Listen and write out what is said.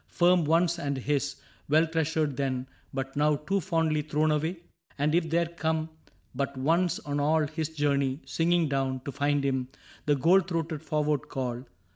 Firm once and his, well treasured then, but now Too fondly thrown away ? And if there come But once on all his journey, singing down To find him, the gold throated forward call.